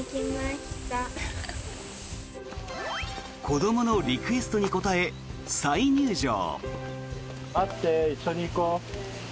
子どものリクエストに応え再入場。